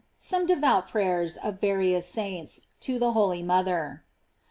SOME DEYOUT PRAYERS OP VARIOUS SAINTS TO THE HOLY MOTHER.